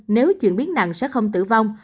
nếu chuyển biến nặng sẽ không tử vong